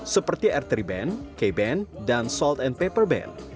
seperti r tiga band k band dan salt and paper band